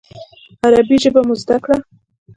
عربي ژبه مو زده کړه.